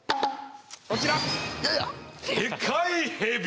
こちら！